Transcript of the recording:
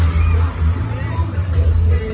กลับไปกลับไป